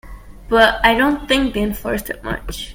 But I don't think they enforced it much.